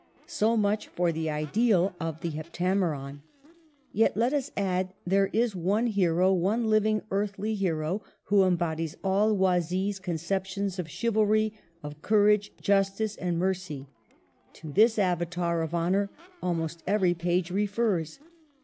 • So much for the ideal of the " Heptameron." Yet, let us add, there is one hero, one living, earthly hero, who embodies all Oisille's con ceptions of chivalry, of courage, justice, and mercy. To this Avatar of honor almost every page refers.